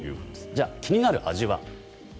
じゃあ、気になる味は。